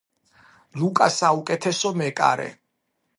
ლუკა საუკეთესო მეკარე